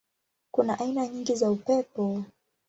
Kuna aina nyingi za upepo.